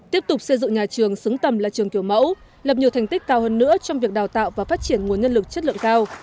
tiếp tục xây dựng nhà trường xứng tầm là trường kiểu mẫu lập nhiều thành tích cao hơn nữa trong việc đào tạo và phát triển nguồn nhân lực chất lượng cao